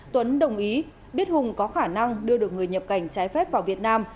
tuấn đồng ý biết hùng có khả năng đưa được người nhập cảnh trái phép vào việt nam